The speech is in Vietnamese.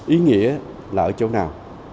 ý nghĩa là ở chỗ nào